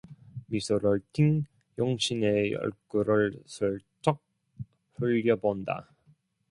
미소를 띤 영신의 얼굴을 슬쩍 흘려본다.